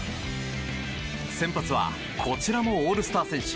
先発はこちらもオールスター選手